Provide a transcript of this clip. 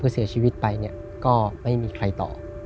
เพื่อเสียชีวิตไปเนี่ยก็ไม่มีใครต่อ